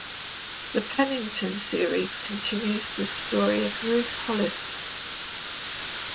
The Pennington series continues the story of Ruth Hollis.